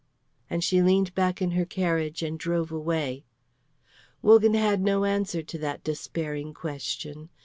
and she leaned back in her carriage and drove away. Wogan had no answer to that despairing question.